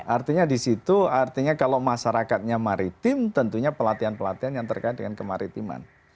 artinya di situ artinya kalau masyarakatnya maritim tentunya pelatihan pelatihan yang terkait dengan kemaritiman